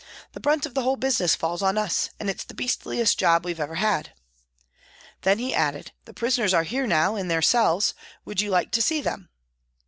The brunt of the whole business falls on us, and it's the beastliest job we've ever had." Then he added, " The prisoners are here now, in the cells, would you like to see them ?